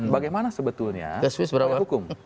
bagaimana sebetulnya hukum